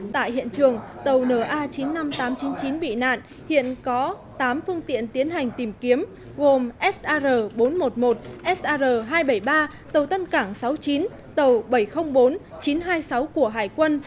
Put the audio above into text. tại hiện trường tàu na chín mươi năm nghìn tám trăm chín mươi chín bị nạn hiện có tám phương tiện tiến hành tìm kiếm gồm sr bốn trăm một mươi một sr hai trăm bảy mươi ba tàu tân cảng sáu mươi chín tàu bảy trăm linh bốn chín trăm hai mươi sáu của hải quân